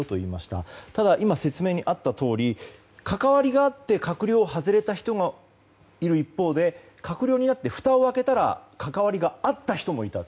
ただ、今、説明にあったとおり関わりがあって閣僚を外れた人がいる一方で閣僚になってふたを開けたら関わりがあった人もいた。